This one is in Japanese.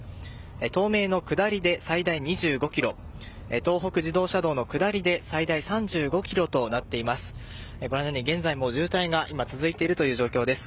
東名の下りで最大２５ｋｍ東北自動車道の下りで最大３５ｋｍとなっています。